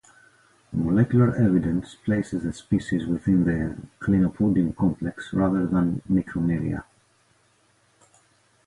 Molecular evidence places the species within the Clinopodium complex rather than Micromeria.